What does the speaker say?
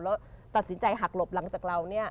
แล้วตัดสินใจหักหลบหลังจากเราเนี่ย